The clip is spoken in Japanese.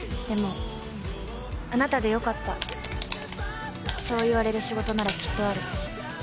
でも、あなたで良かったそう言われる仕事ならきっとある。